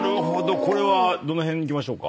これはどの辺にきましょうか？